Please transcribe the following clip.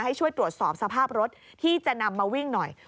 ให้ช่วยตรวจสอบสภาพรถที่จะนำมาวิ่งหน่อย